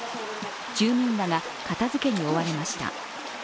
住民らが片づけに追われました。